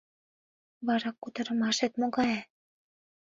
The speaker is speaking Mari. Вара кутырымашет могае?